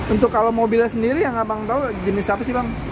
untuk kalau mobilnya sendiri yang abang tahu jenis apa sih bang